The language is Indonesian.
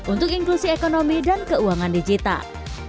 untuk inklusi ekonomi dan keuangan digital